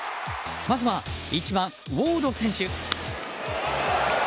まずは１番、ウォード選手。